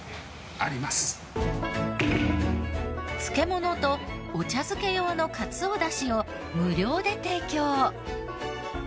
漬物とお茶漬け用のかつお出汁を無料で提供。